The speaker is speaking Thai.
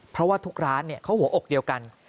เพราะว่าทุกร้านเขาหัวอกเดียวกัน